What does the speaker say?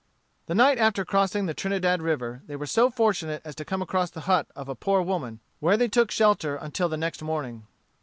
The night after crossing the Trinidad River they were so fortunate as to come across the hut of a poor woman, where they took shelter until the next morning.